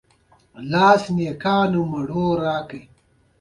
چنګلونه د افغانستان د اجتماعي جوړښت برخه ده.